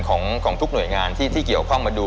ของทุกหน่วยงานที่เกี่ยวข้องมาดู